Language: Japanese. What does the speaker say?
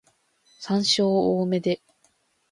山椒多めで